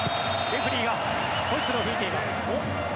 レフェリーがホイッスルを吹いています。